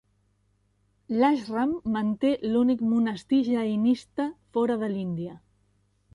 L'àixram manté l'únic monestir jainista fora de l'Índia.